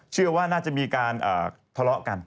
เชื่อว่าน่าจะมีการทะเลาะกัน